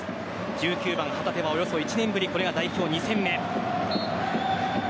１９番・旗手はおよそ１年ぶりこれが代表２戦目。